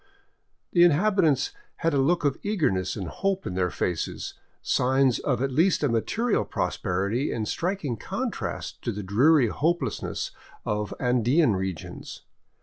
The inhabitants had a look of eagerness and hope in their faces, signs of at least a material prosperity in striking contrast to the dreary hope lessness of Andean regions.